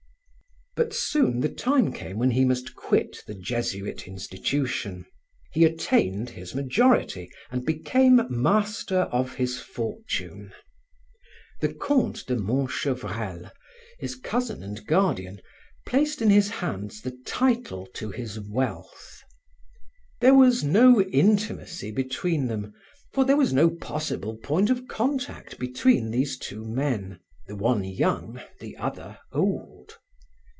But soon the time came when he must quit the Jesuit institution. He attained his majority and became master of his fortune. The Comte de Montchevrel, his cousin and guardian, placed in his hands the title to his wealth. There was no intimacy between them, for there was no possible point of contact between these two men, the one young, the other old.